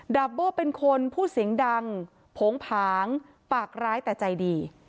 ดาบโบ้เป็นคนพูดเสียงดังโผงผางปากร้ายแต่ใจดี